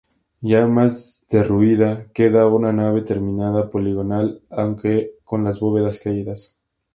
Ya más derruida, queda una nave terminada poligonal, aunque con las bóvedas caídas.